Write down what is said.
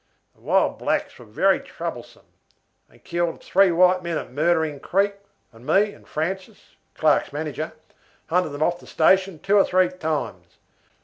The wild blacks were very troublesome; they killed three white men at Murdering Creek, and me and Francis, Clarke's manager, hunted them off the station two or three times.